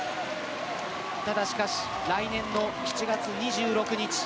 ただしかし来年の７月２６日